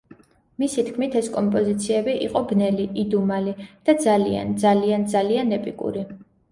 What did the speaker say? მისი თქმით ეს კომპოზიციები იყო ბნელი, იდუმალი და „ძალიან ძალიან ძალიან ეპიკური“.